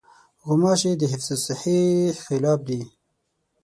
غوماشې د حفظالصحې خلاف دي.